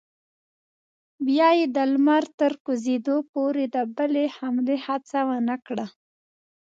بیا یې د لمر تر کوزېدو پورې د بلې حملې هڅه ونه کړه.